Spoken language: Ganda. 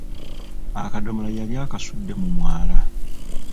Akadomola yali akasudde mu mwala.